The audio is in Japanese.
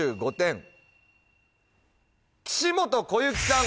岸本小雪さん